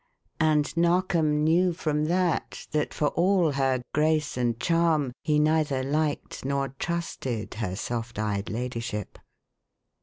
And Narkom knew from that that for all her grace and charm he neither liked nor trusted her soft eyed ladyship.